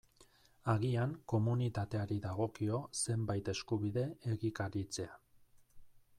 Agian komunitateari dagokio zenbait eskubide egikaritzea.